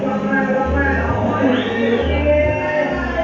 ฉันจะจำงานหลายนี้ไป